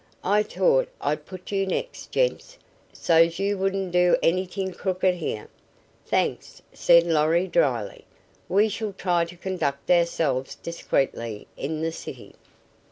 I t'ought I'd put you next, gents, so's you wouldn't be doin' anyt'ing crooked here." "Thanks," said Lorry, drily. "We shall try to conduct ourselves discreetly in the city."